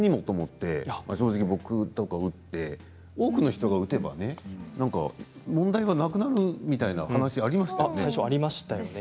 多くの人が打てば問題はなくなるみたいな話がありましたよね。